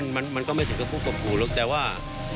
ผมว่ามันก็ไม่ถึงกับผู้ตบกรูหรอกแต่ว่า